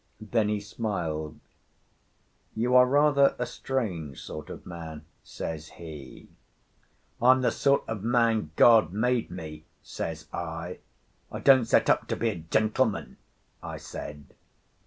Then he smiled. "You are rather a strange sort of man," says he. "I'm the sort of man God made me," says I. "I don't set up to be a gentleman," I said.